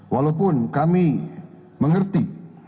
walaupun kami mengerti